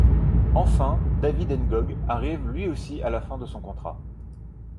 Enfin, David Ngog arrive lui aussi à la fin de son contrat.